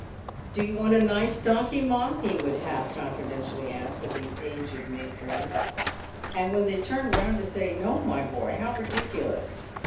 " Do you want a nice donkey, mum ?" he would half confidentially ask of these aged matrons ; and when they turned round to say " No, my boy ; how ridiculous